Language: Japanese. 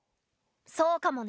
そうかもね。